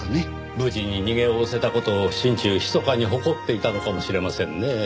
無事に逃げおおせた事を心中ひそかに誇っていたのかもしれませんねぇ。